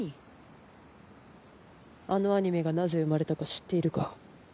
あのアニメがなぜ生まれたか知っているか？